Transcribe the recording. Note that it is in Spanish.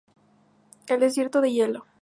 El desierto de hielo.